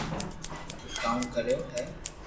تو ڪاوُ ڪريو ھي